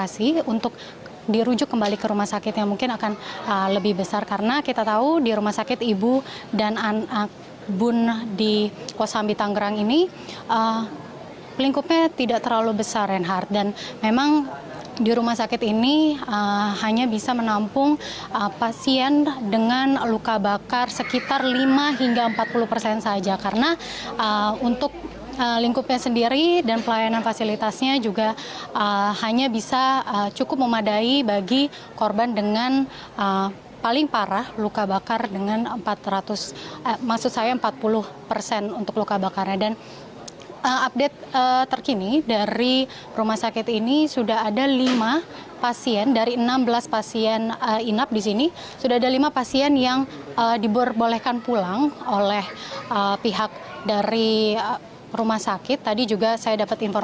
sebelum kebakaran terjadi dirinya mendengar suara ledakan dari tempat penyimpanan